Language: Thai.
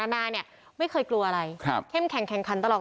นานาเนี่ยไม่เคยกลัวอะไรครับเค่มแข็งแขนตลอด